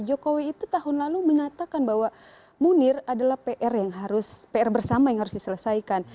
jokowi itu tahun lalu menyatakan bahwa munir adalah pr yang harus pr bersama yang harus diselesaikan